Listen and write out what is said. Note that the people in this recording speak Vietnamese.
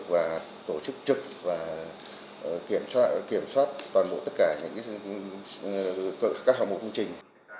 và tổ chức trực và kiểm soát toàn bộ tất cả các hòa mộ công trình